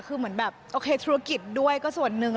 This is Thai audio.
คือเหมือนแบบโอเคธุรกิจด้วยก็ส่วนหนึ่ง